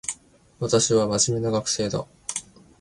私は真面目な学生だ